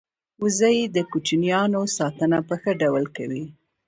وزې د کوچنیانو ساتنه په ښه ډول کوي